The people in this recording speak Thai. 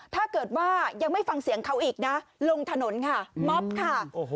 ถ้าเกิดว่ายังไม่ฟังเสียงเขาอีกนะลงถนนค่ะม็อบค่ะ